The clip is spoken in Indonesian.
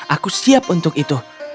aku siap untuk itu